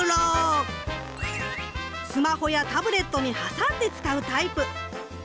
スマホやタブレットに挟んで使うタイプ。